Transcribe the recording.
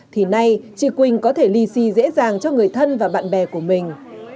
thì nay chị quỳnh có thể lì xì dễ dàng cho người thân và bạn bè của mình